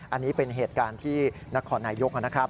อันนี้เป็นเหตุการณ์ที่นครนายกนะครับ